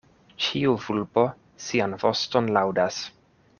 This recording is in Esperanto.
Ĉiu vulpo sian voston laŭdas.